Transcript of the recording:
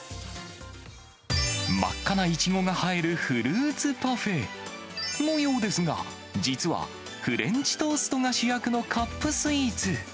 真っ赤ないちごが映えるフルーツパフェのようですが、実は、フレンチトーストが主役のカップスイーツ。